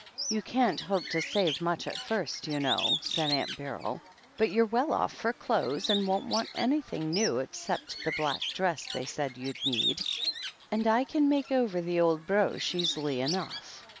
"You can't hope to save much at first, you know," said Aunt Beryl. "But you're well off for clothes, and won't want anything new except the black dress they said you'd need, and I can make over the old broche easily enough.